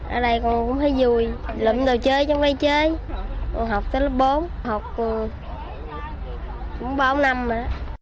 ở đây cũng thấy vui lụm đồ chơi trong cây chơi học tới lớp bốn học cũng bốn năm rồi